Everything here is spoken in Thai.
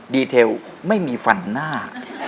เทลไม่มีฟันหน้า